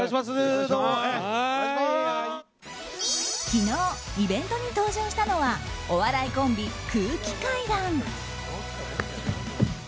昨日、イベントに登場したのはお笑いコンビ、空気階段。